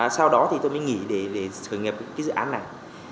sau đó thì tôi mới nghỉ để khởi nghiệp cái dự án này